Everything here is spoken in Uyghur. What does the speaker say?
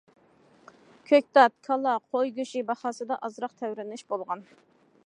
كۆكتات، كالا، قوي گۆشى باھاسىدا ئازراق تەۋرىنىش بولغان.